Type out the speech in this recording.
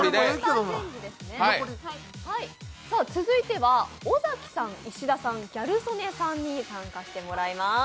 続いては尾崎さん、石田さんギャル曽根さんに参加してもらいます。